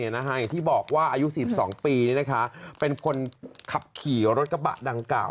อย่างที่บอกว่าอายุ๔๒ปีเป็นคนขับขี่รถกระบะดังกล่าว